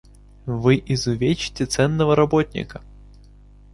Вы изувечите ценного работника.